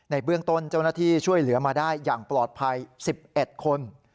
เบื้องต้นเจ้าหน้าที่ช่วยเหลือมาได้อย่างปลอดภัย๑๑คน